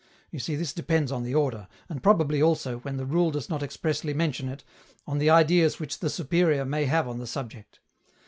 You see this depends on the order, and probably also, when the rule does not expressly mention it, on the ideas which the superior may have on the subject.